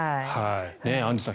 アンジュさん